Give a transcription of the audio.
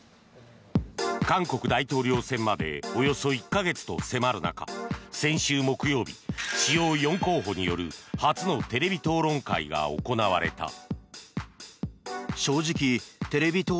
韓国大統領選までおよそ１か月と迫る中先週木曜日、主要４候補による初のテレビ討論会が行われた。